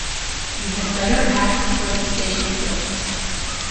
You had better ask for the station clerks